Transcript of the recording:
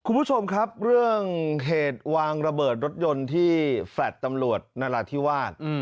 คุณผู้ชมครับเรื่องเหตุวางระเบิดรถยนต์ที่แฟลต์ตำรวจนราธิวาส